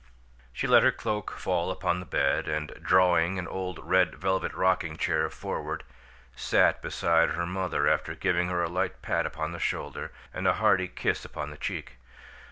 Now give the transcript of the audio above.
She let her cloak fall upon the bed, and, drawing an old red velvet rocking chair forward, sat beside her mother after giving her a light pat upon the shoulder and a hearty kiss upon the cheek.